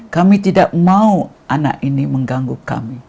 kami tidak mau anak ini mengganggu kami